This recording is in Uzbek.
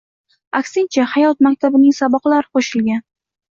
Aksincha, hayot maktabining saboqlari qo‘shilgan.